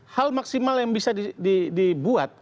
hal maksimal yang bisa dibuat